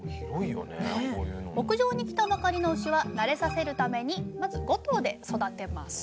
牧場に来たばかりの牛は慣れさせるためにまず５頭で育てます。